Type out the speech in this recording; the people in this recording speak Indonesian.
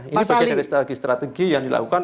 ini bagian dari strategi strategi yang dilakukan